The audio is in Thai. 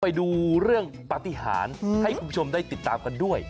ไปดูเรื่องปฏิหารให้คุณผู้ชมได้ติดตามกันด้วย